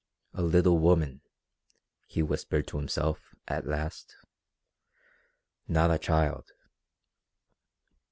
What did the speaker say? "A little woman," he whispered to himself at last. "Not a child."